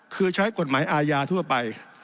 คือใช้กฎหมายอาญาทั่วไป